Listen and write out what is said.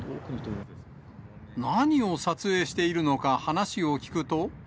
何を撮影しているのか話を聞くと。